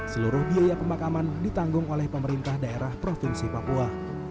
seluruh biaya pemakaman ditanggung oleh pemerintah daerah provinsi papua